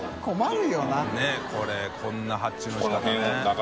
佑これこんな発注の仕方ね。